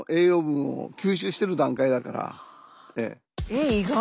えっ意外。